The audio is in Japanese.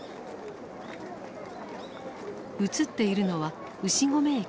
映っているのは牛込駅のホーム。